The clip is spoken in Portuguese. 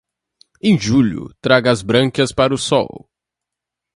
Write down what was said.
Em julho, traga as brânquias para o sol.